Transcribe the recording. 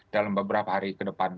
dalam beberapa hari ke depan